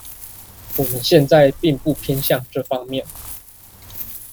我們現在並不偏向這方面